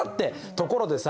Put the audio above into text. ところでさ